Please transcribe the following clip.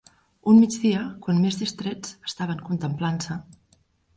Un migdia, quan més distrets estaven contemplant-se...